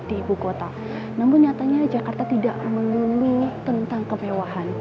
di ibukota namun nyatanya jakarta tidak mengunduh tentang kepewahan